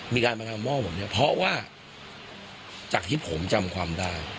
มีการมาทำหม้อผมเนี่ยเพราะว่าจากที่ผมจำความได้